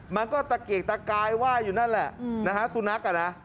มันก็ตะเกียกตะกายว่ายอยู่นั่นแหละนะฮะสุนัขอ่ะนะ